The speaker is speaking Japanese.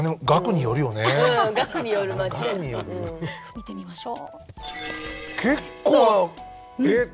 見てみましょう。